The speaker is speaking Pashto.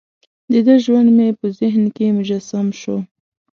دده ژوند مې په ذهن کې مجسم شو.